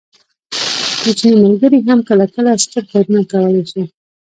کوچني ملګري هم کله کله ستر کارونه کولی شي.